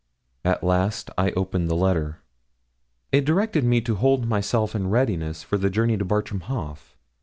At last I opened the letter. It directed me to hold myself in readiness for the journey to Bartram Haugh.